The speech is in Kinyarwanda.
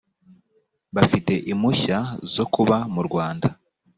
bafite impushya zo kuba mu rwanda.